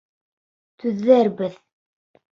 Түҙербеҙ!